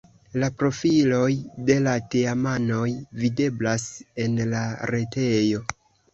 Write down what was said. La profiloj de la teamanoj videblas en la retejo.